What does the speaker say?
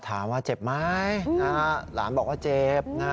ถามว่าเจ็บไหมหลานบอกว่าเจ็บนะ